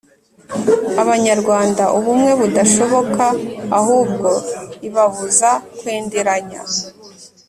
abanyarwanda ubumwe budashoboka ahubwo ibabuza kwenderanya